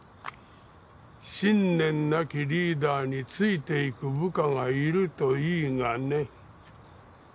信念なきリーダーについていく部下がいるといいがね。